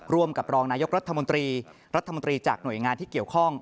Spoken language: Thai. ร่วมกับรองนายกรัฐมนตรีรัฐมนตรีจากหน่วยงานที่เกี่ยวข้อง